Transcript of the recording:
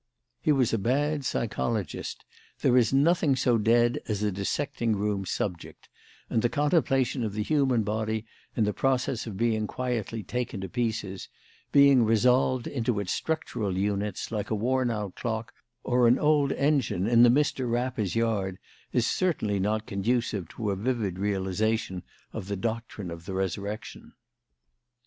He was a bad psychologist. There is nothing so dead as a dissecting room 'subject'; and the contemplation of the human body in the process of being quietly taken to pieces being resolved into its structural units like a worn out clock or an old engine in the Mr. Rapper's yard is certainly not conducive to a vivid realisation of the doctrine of the resurrection."